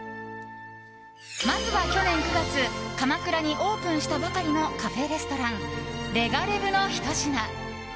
まずは去年９月鎌倉にオープンしたばかりのカフェレストランレガレヴのひと品。